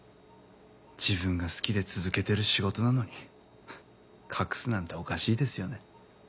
自分が好きで続けてる仕事なのに隠すなんておかしいですよね。